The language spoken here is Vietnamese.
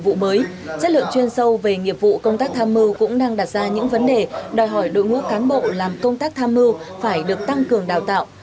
bộ chuyên sâu về nghiệp vụ công tác tham mưu cũng đang đặt ra những vấn đề đòi hỏi đội ngũ cán bộ làm công tác tham mưu phải được tăng cường đào tạo